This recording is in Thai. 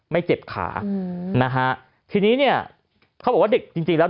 ไม่เจ็บขาอืมนะฮะทีนี้เนี่ยเขาบอกว่าเด็กจริงจริงแล้ว